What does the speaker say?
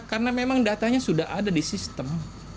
karena memang datanya sudah ada di sistem